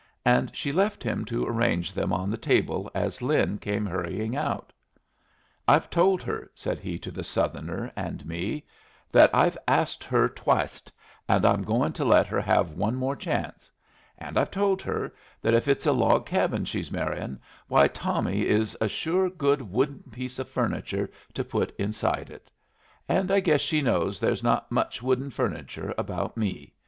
And she left him to arrange them on the table as Lin came hurrying out. "I've told her," said he to the Southerner and me, "that I've asked her twiced, and I'm going to let her have one more chance. And I've told her that if it's a log cabin she's marryin', why Tommy is a sure good wooden piece of furniture to put inside it. And I guess she knows there's not much wooden furniture about me.